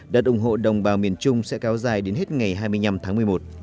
đã ủng hộ đồng bào miền trung sẽ kéo dài đến hết ngày hai mươi năm tháng một mươi một